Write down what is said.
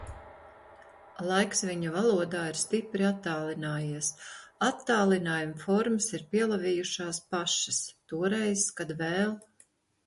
Laiks viņa valodā ir stipri attālinājies, attālinājuma formas ir pielavījušās pašas. Toreiz, kad vēl...